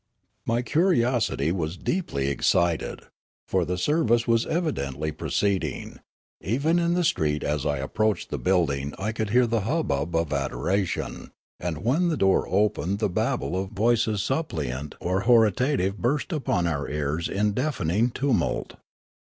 My curiosity was deeply excited ; for the service was evidently proceeding ; even in the street as I ap proached the building I could hear the hubbub of adoration, and when the door opened the babel of voices suppliant or hortative burst upon our ears in deafening tumult.